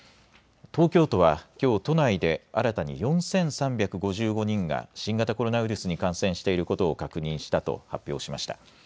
東京都は、きょう、都内で新たに４３５５人が新型コロナウイルスに感染していることを確認したと発表しました。